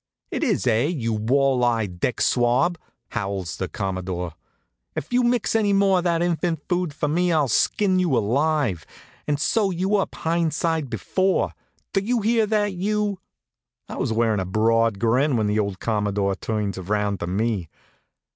"It is, eh, you wall eyed deck swab?" howls the Commodore. "If you mix any more of that infant food for me I'll skin you alive, and sew you up hind side before. Do you hear that, you?" I was wearin' a broad grin when the old Commodore turns around to me.